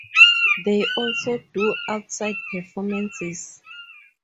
They also do outside performances.